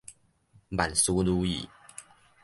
萬事如意